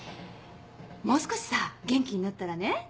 もう少しさ元気になったらね